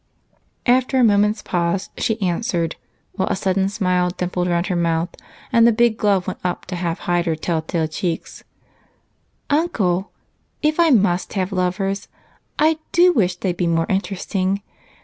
After a moment's pause she answered, while a sudden smile dimpled around her mouth and the big glove went up to hide her telltale cheeks: "Uncle, if I must have lovers, I do wish they'd be more interesting.